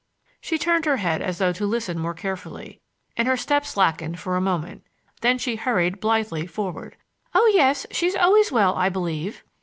She turned her head as though to listen more carefully, and her step slackened for a moment; then she hurried blithely forward. "Oh, she's always well, I believe."